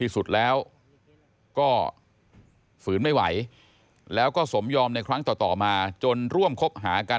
ที่สุดแล้วก็ฝืนไม่ไหวแล้วก็สมยอมในครั้งต่อมาจนร่วมคบหากัน